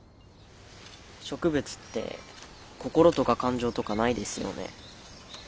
植物って心とか感情とかないですよね。